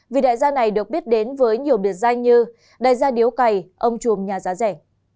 vì đại gia này được biết đến với nhiều biệt danh như đại gia điếu cày ông chuồng nhà giá rẻ